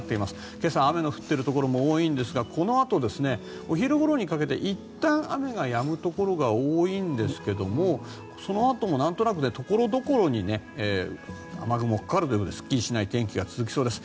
今朝は雨の降っているところも多いんですがこのあとお昼ごろにかけていったん雨がやむところが多いんですけどもそのあともなんとなく所々に雨雲がかかるということですっきりしない天気が続きそうです。